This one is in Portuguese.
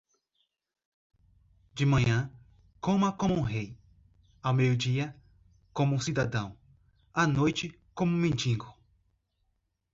De manhã, coma como rei, ao meio-dia, como cidadão, à noite como mendigo.